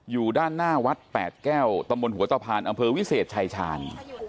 อยู่ด้านหน้าวัดแปดแก้วตำบลหัวตะพานอำเภอวิเศษชายชาญ